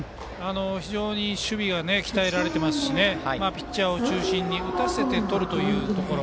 非常に守備が鍛えられてますしピッチャーを中心に打たせてとるというところ。